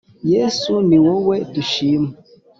yesu, ni wowe dushima: